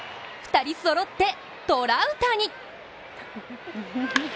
２人そろって、トラウタニ！